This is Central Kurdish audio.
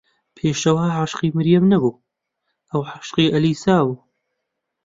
پێشەوا عاشقی مەریەم نەبوو، ئەو عاشقی ئەلیس بوو.